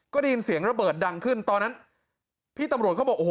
ก็ได้ยินเสียงระเบิดดังขึ้นตอนนั้นพี่ตำรวจเขาบอกโอ้โห